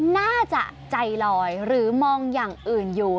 น่าจะใจลอยหรือมองอย่างอื่นอยู่